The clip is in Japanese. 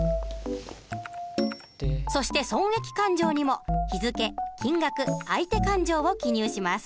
そして損益勘定にも日付金額相手勘定を記入します。